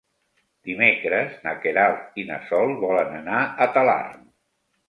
Dimecres na Queralt i na Sol volen anar a Talarn.